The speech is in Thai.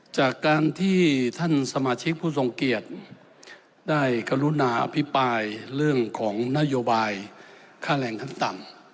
จากการที่ท่านสมาชิกผู้ทรงเกียจได้กรุณาอภิปรายเรื่องของนโยบายค่าแรงขั้นต่ำ